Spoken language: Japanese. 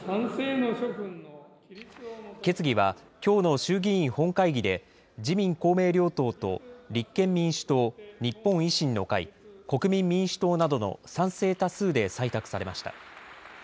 決議はきょうの衆議院本会議で自民公明両党と立憲民主党、日本維新の会、国民民主党などの賛成多数で採択されました。